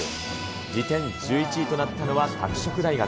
次点１１位となったのは、拓殖大学。